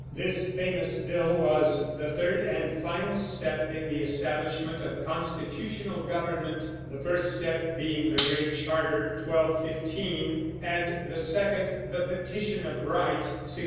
This famous bill was the third and final step in the establishment of constitutional government, the first step being the Great Charter (1215), and the second the Petition of Right (1628).